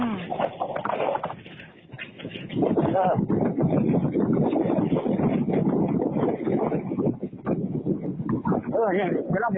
แม่งนี้สิ